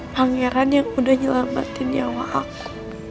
pangeran yang udah nyelamatin nyawa aku